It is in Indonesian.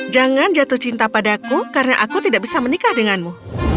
jangan jatuh cinta padaku karena aku tidak bisa menikah denganmu